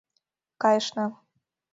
Кайышна.